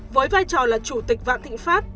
với vai trò là chủ tịch vạn thịnh pháp